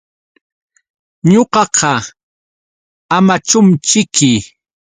Ñuqapa Amachumćhiki.